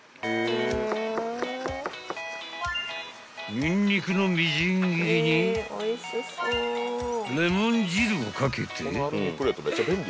［にんにくのみじん切りにレモン汁を掛けて］